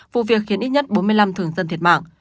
vụ việc khiến ít nhất bốn mươi năm thường dân thiệt mạng